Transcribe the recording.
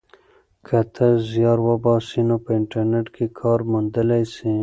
که ته زیار وباسې نو په انټرنیټ کې کار موندلی سې.